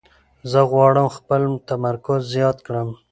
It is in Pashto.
زه غواړم خپل تمرکز زیات کړم.